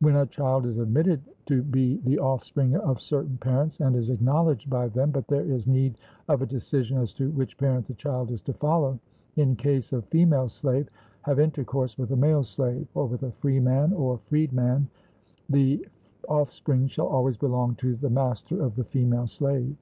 When a child is admitted to be the offspring of certain parents and is acknowledged by them, but there is need of a decision as to which parent the child is to follow in case a female slave have intercourse with a male slave, or with a freeman or freedman, the offspring shall always belong to the master of the female slave.